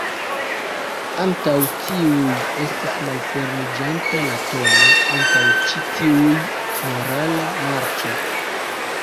Antaŭ tiuj estis malfermiĝanta la tombo, antaŭ ĉi tiuj -- morala marĉo.